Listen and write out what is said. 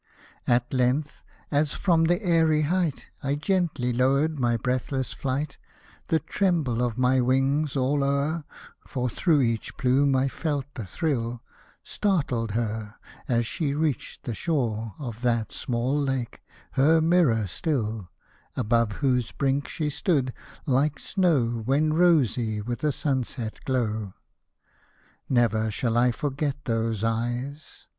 At length, as from that airy height I gently lowered my breathless flight, The tremble of my wings all o'er (For through each plume I felt the thrill) Startled her, as she reached the shore Of that small lake — her mirror still — Above whose brink she stood, like snow When rosy with a sunset glow. Never shall I forget those eyes